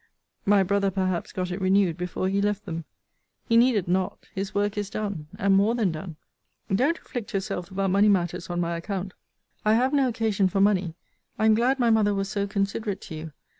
My brother, perhaps, got it renewed before he left them. He needed not his work is done; and more than done. Don't afflict yourself about money matters on my account. I have no occasion for money. I am glad my mother was so considerate to you.